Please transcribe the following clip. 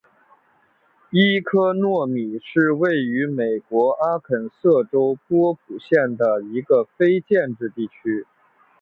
伊科诺米是位于美国阿肯色州波普县的一个非建制地区。